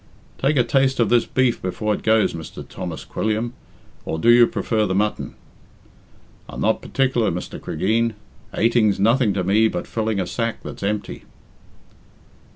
"Take a taste of this beef before it goes, Mr. Thomas Quilliam, or do you prefer the mutton?" "I'm not partic'lar, Mr. Cregeen. Ateing's nothing to me but filling a sack that's empty."